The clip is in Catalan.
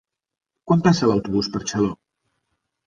Quan passa l'autobús per Xaló?